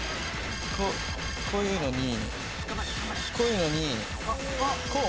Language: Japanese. こういうのにこういうのにこう？